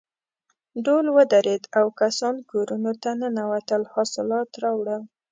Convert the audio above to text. ډول ودرېد او کسان کورونو ته ننوتل حاصلات راوړل.